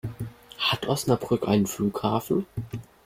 Hat Osnabrück einen Flughafen?